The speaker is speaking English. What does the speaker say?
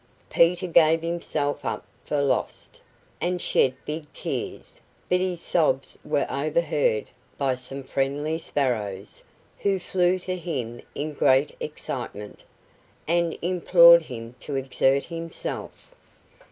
Peter gave himself up for lost, and shed big tears; but his sobs were overheard by some friendly sparrows, who flew to him in great excitement, and implored him to exert himself.